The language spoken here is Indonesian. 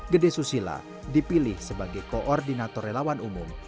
gede susila dipilih sebagai koordinator relawan umum